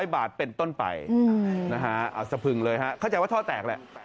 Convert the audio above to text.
๘๓๐๐บาทเป็นต้นไปเอาสะพึงเลยเข้าใจว่าท่อแตกแล้ว